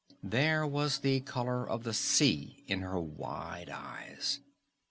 There was the color of the sea in her wide eyes.